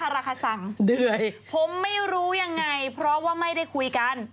ราคาสั่งเดื่อยผมไม่รู้ยังไงเพราะว่าไม่ได้คุยกัน